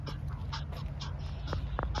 ولي د استعداد او لټۍ یو ځای کیدل د ناکامۍ پیل دی؟